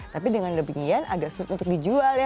tapi dengan udah penyediaan ada sudut untuk dijual ya